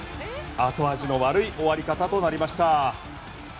後味の悪い終わり方となりました。